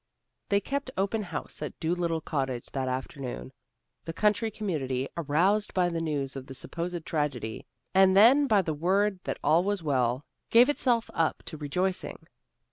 They kept open house at Dolittle Cottage that afternoon. The country community, aroused by the news of the supposed tragedy, and then by the word that all was well, gave itself up to rejoicing.